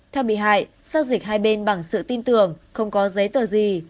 theo bị hại sau dịch hai bên bằng sự tin tưởng không có giấy tờ gì